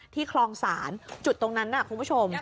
คลองศาลจุดตรงนั้นคุณผู้ชม